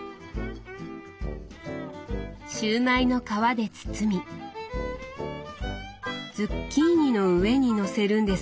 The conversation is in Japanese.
シューマイの皮で包みズッキーニの上にのせるんですか？